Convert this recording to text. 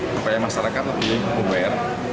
supaya masyarakat lebih aware